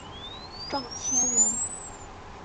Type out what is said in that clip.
赵谦人。